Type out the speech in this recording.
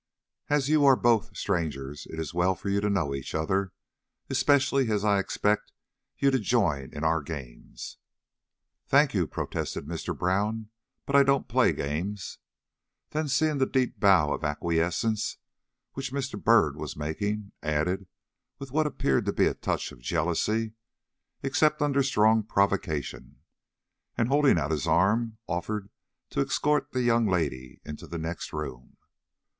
"As you are both strangers, it is well for you to know each other, especially as I expect you to join in our games." "Thank you," protested Mr. Brown, "but I don't play games." Then seeing the deep bow of acquiescence which Mr. Byrd was making, added, with what appeared to be a touch of jealousy, "Except under strong provocation," and holding out his arm, offered to escort the young lady into the next room.